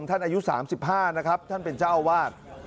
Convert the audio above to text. อายุ๓๕นะครับท่านเป็นเจ้าวาด